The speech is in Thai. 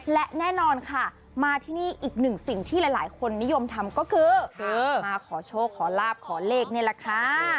และแน่นอนค่ะมาที่นี่อีกหนึ่งสิ่งที่หลายคนนิยมทำก็คือมาขอโชคขอลาบขอเลขนี่แหละค่ะ